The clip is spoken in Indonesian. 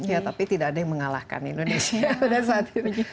ya tapi tidak ada yang mengalahkan indonesia